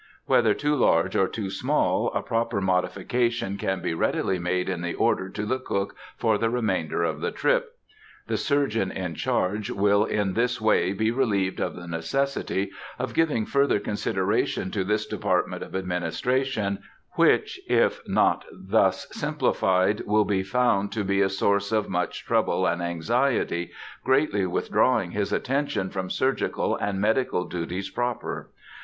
Whether too large or too small, a proper modification can be readily made in the order to the cook for the remainder of the trip. The surgeon in charge will in this way be relieved of the necessity of giving further consideration to this department of administration, which, if not thus simplified, will be found to be a source of much trouble and anxiety, greatly withdrawing his attention from surgical and medical duties proper.